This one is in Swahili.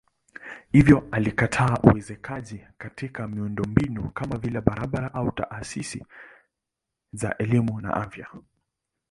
Hivyo alikataa uwekezaji katika miundombinu kama vile barabara au taasisi za elimu na afya.